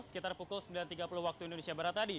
sekitar pukul sembilan tiga puluh waktu indonesia barat tadi